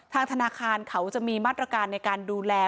ธนาคารเขาจะมีมาตรการในการดูแล